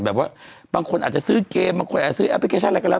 บางคนอาจจะซื้อเกมบางคนอาจซื้อแอปพลิเคชันอะไรก็แล้ว